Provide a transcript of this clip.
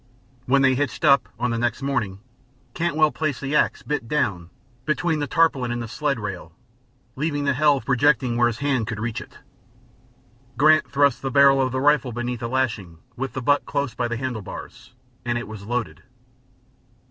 When they hitched up, on the next morning, Cantwell placed the ax, bit down, between the tarpaulin and the sled rail, leaving the helve projecting where his hand could reach it. Grant thrust the barrel of the rifle beneath a lashing, with the butt close by the handle bars, and it was loaded.